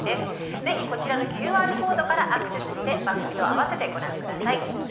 ぜひこちらのＱＲコードからアクセスして番組と併せてご覧下さい。